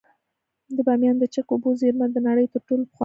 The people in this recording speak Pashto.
د بامیانو د چک اوبو زیرمه د نړۍ تر ټولو پخوانۍ ده